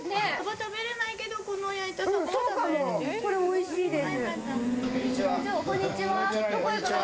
食べれないけどこの焼いたサこれ、おいしいです。